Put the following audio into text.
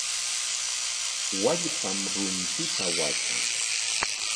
Wallpam runtuta watran.